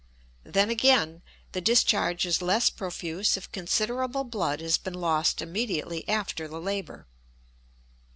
Then again, the discharge is less profuse if considerable blood has been lost immediately after the labor.